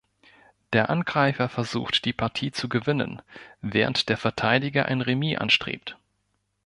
Der Angreifer versucht, die Partie zu gewinnen, während der Verteidiger ein Remis anstrebt.